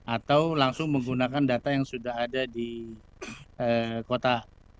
atau langsung menggunakan data yang sudah ada di kota